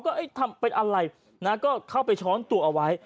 ก็ทำเป็นอะไรนะก็เข้าไปช้อนตัวเอาไว้